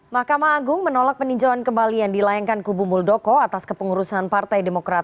mahkamah agung menolak peninjauan kembali yang dilayangkan kubu muldoko atas kepengurusan partai demokrat